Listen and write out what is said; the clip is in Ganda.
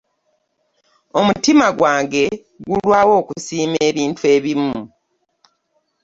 Omutima gwange gulwaawo okusiima ebintu ebimu.